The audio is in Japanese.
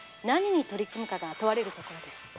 「何に取り組むかが問われるところです」